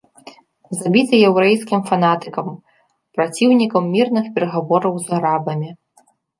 Забіты яўрэйскім фанатыкам, праціўнікам мірных перагавораў з арабамі.